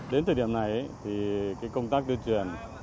đến thời điểm này công tác đưa chuyển